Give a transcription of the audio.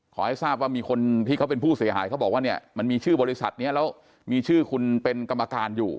ขอให้ทราบว่ามีคนที่เขาเป็นผู้เสียหายเขาบอกว่าเนี่ยมันมีชื่อบริษัทนี้แล้วมีชื่อคุณเป็นกรรมการอยู่